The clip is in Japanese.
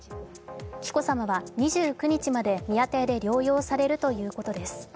紀子さまは２９日まで宮邸で療養されるということです。